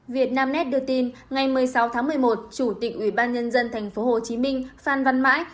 việt nam net đưa tin ngày một mươi sáu tháng một mươi một chủ tịch ubnd tp hcm phan văn mãi